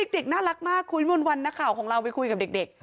เด็กน่ารักมากคุณวิมนต์วันนักข่าวของเราไปคุยกับเด็ก